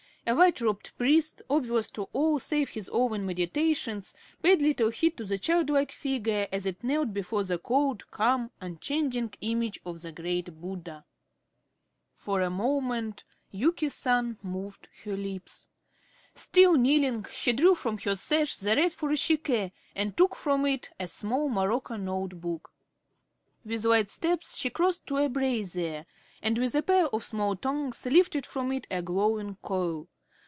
A white robed priest, oblivious to all save his own meditations, paid little heed to the childlike figure as it knelt before the cold, calm, unchanging image of the great Buddha. For a moment Yuki San moved her lips. Still kneeling, she drew from her sash the red furoshike and took from it a small morocco note book. With light steps she crossed to a brazier, and with a pair of small tongs lifted from it a glowing coal.